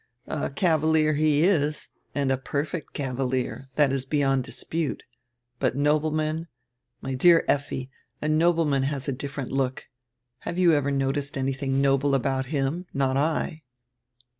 "A cavalier he is, and a perfect cavalier, diat is beyond dispute. But nobleman? My dear Effi, a nobleman has a different look. Have you ever noticed anydiing noble about him? Not I."